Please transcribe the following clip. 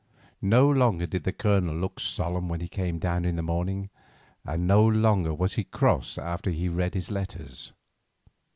No longer did the Colonel look solemn when he came down in the morning, and no longer was he cross after he had read his letters.